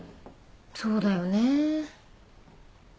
そうだよねぇ。